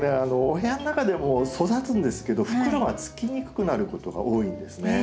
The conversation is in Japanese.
お部屋の中でも育つんですけど袋がつきにくくなることが多いんですね。